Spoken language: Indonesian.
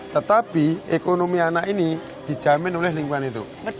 tetapi ekonomi anak ini dijamin oleh lingkungan hidup